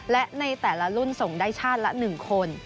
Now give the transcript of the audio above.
และในแต่ละรุ่นส่งได้ชาติละ๑คน